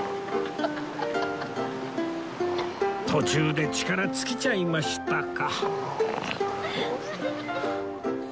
途中で力尽きちゃいましたか